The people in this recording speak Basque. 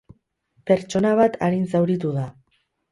Pertsona bat arin zauritu da.